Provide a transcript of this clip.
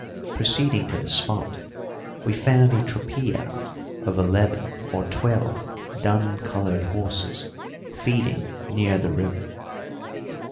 Proceeding to the spot, we found a tropilla of eleven or twelve dun coloured horses feeding near the river.